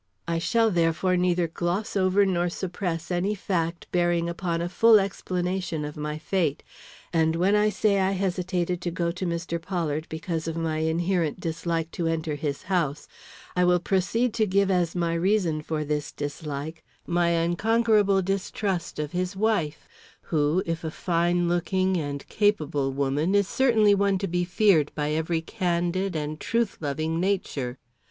I shall therefore neither gloss over nor suppress any fact bearing upon a full explanation of my fate; and when I say I hesitated to go to Mr. Pollard because of my inherent dislike to enter his house, I will proceed to give as my reason for this dislike, my unconquerable distrust of his wife, who, if a fine looking and capable woman, is certainly one to be feared by every candid and truth loving nature.